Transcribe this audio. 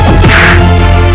aku akan menang